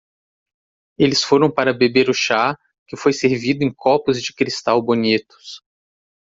Eles foram para beber o chá? que foi servido em copos de cristal bonitos.